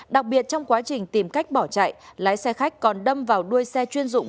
đặc biệt trong quá trình tìm cách bỏ chạy lái xe khách còn đâm vào đuôi xe chuyên dụng